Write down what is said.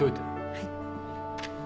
はい。